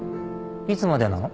いつまでなの？